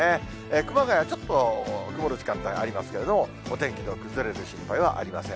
熊谷はちょっと曇る時間帯ありますけれども、お天気の崩れる心配はありません。